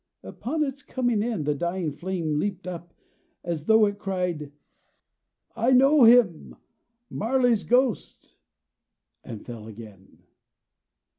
Upon its coming in, the dying flame leaped up, as though it cried "I know him! Marley's ghost!" and fell again.